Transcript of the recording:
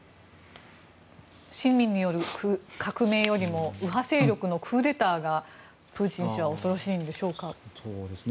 市民による革命よりも右派勢力によるクーデターがプーチン氏は恐ろしいんでしょうか？